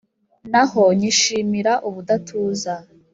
naho nyishimira ubudatuza